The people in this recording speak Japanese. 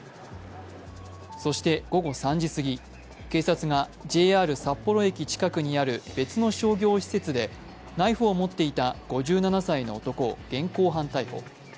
そして午後３時すぎ、警察がＪＲ札幌駅近くにある別の商業施設でナイフを持っていた５７歳の男を現行犯逮捕。